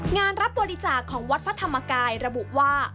งานรับบริจาคของวัดพระธรรมกายระบุว่า